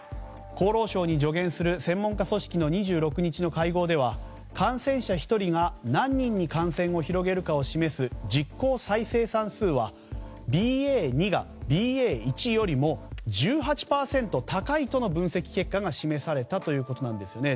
厚労省に助言する専門家組織の２６日の会合では感染者１人が何人に感染を広げるかを示す実効再生産数はＢＡ．２がＢＡ．１よりも１８％高いとの分析結果が示されたということです。